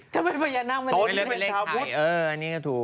ตนเป็นชาวพุทธ